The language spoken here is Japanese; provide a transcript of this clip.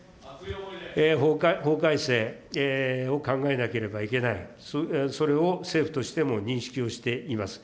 法改正を考えなければいけない、それを政府としても認識をしています。